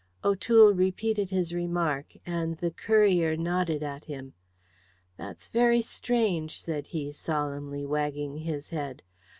O'Toole repeated his remark, and the courier nodded at him. "That's very strange," said he, solemnly, wagging his head.